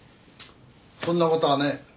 そんな事はねえ。